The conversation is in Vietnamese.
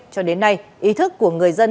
cho đến nay ý thức của người dân